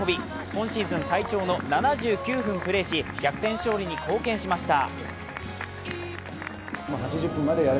今シーズン最長の７９分プレーし、逆転勝利に貢献しました。